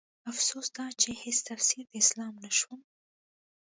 افسوس دا چې هيڅ تفسير د اسلام نه شوم